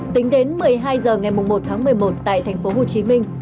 tính đến một mươi hai h ngày một tháng một mươi một tại thành phố hồ chí minh